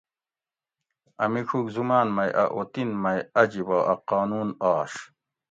اۤ میچوگ زماۤن مئ اۤ اوطن مئ عجیبہ اۤ قانون آش